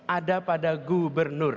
ada pada gubernur